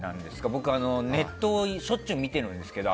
僕、ネットをしょっちゅう見てるんですけど。